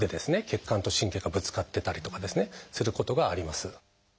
血管と神経がぶつかってたりとかすることがあります。